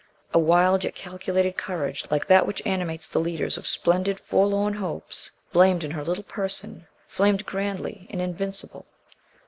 A wild yet calculated courage like that which animates the leaders of splendid forlorn hopes flamed in her little person flamed grandly, and invincible.